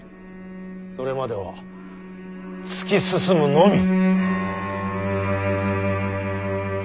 それまでは突き進むのみ。